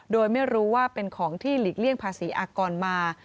โดยไม่รู้ว่าเป็นของที่หลีกเลี่ยงภาษีอากรมา